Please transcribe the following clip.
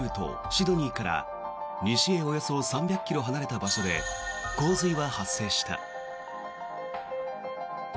シドニーから西へおよそ３００ｋｍ離れた場所で洪水は発生した。